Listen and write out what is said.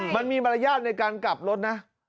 มันมีมารยาทในการกลับรถนะ